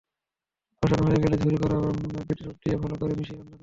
কষানো হয়ে গেলে ঝুরি করা বিটরুট দিয়ে ভালো করে মিশিয়ে রান্না করুন।